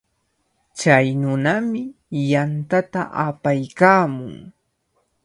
Chay nunami yantata apaykaamun.